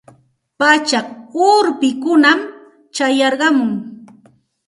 Pachak urpikunam chayarqamun.